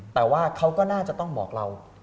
แต่ว่าเขาก็น่าจะต้องบอกเรา